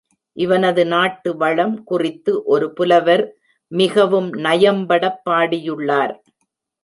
இவனது நாட்டு வளம் குறித்து ஒரு புலவர் மிகவும் நயம்படப் பாடியுள்ளார்.